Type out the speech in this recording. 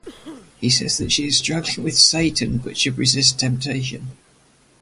He says that she is struggling with Satan but should resist temptation.